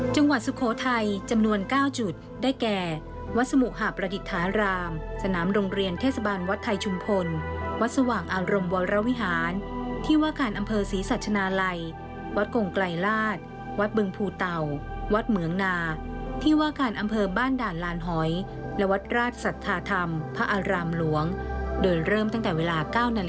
สุโขทัยจำนวน๙จุดได้แก่วัดสมุหาประดิษฐารามสนามโรงเรียนเทศบาลวัดไทยชุมพลวัดสว่างอารมณ์วรวิหารที่ว่าการอำเภอศรีสัชนาลัยวัดกงไกลราชวัดบึงภูเต่าวัดเหมืองนาที่ว่าการอำเภอบ้านด่านลานหอยและวัดราชสัทธาธรรมพระอารามหลวงโดยเริ่มตั้งแต่เวลา๙นาฬ